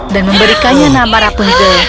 dan memberikannya nama rapunzel